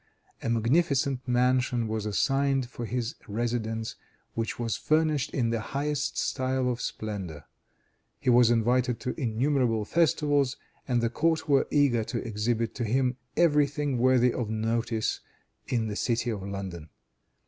A magnificent mansion was assigned for his residence, which was furnished in the highest style of splendor. He was invited to innumerable festivals, and the court were eager to exhibit to him every thing worthy of notice in the city of London.